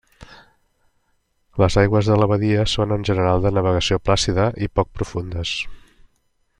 Les aigües de la badia són en general de navegació plàcida i poc profundes.